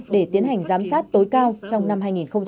để tiến hành giám sát tối cao trong năm hai nghìn hai mươi bốn